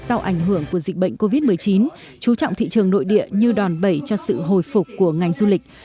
sau ảnh hưởng của dịch bệnh covid một mươi chín chú trọng thị trường nội địa như đòn bẩy cho sự hồi phục của ngành du lịch